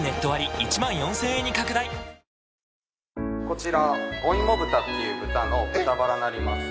こちらおいも豚っていう豚の豚バラになります。